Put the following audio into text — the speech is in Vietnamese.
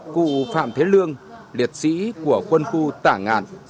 cụ phạm thế lương liệt sĩ của quân khu tả ngạn